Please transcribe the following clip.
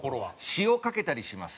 しおかけたりします。